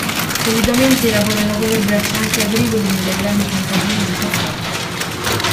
Solitamente lavorano come braccianti agricoli nelle grandi piantagioni di caffè.